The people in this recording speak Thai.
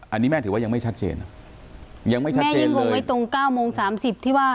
อันนี้แม่ถือว่ายังไม่ชัดเจนยังไม่ชัดเจนแม่ยิ่งงงไว้ตรงเก้าโมงสามสิบที่ว่า